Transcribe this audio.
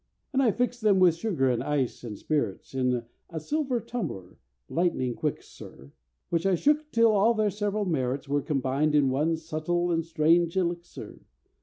"And I fixed them with sugar, and ice, and spirits, In a silver tumbler, lightning quick, sir, Which I shook till all their several merits Were combined in one subtle and strange elixir.